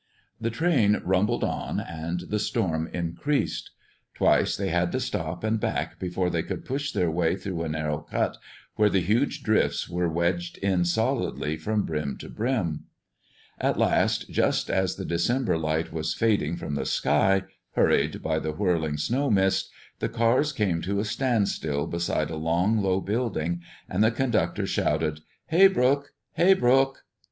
The train rumbled on, and the storm increased. Twice they had to stop and back before they could push their way through a narrow cut where the huge drifts were wedged in solidly from brim to brim. At last, just as the December light was fading from the sky, hurried by the whirling snow mist, the cars came to a standstill beside a long, low building, and the conductor shouted, "Haybrook! Haybrook!"